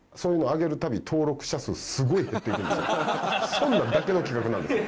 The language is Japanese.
そんなんだけの企画なんですよ。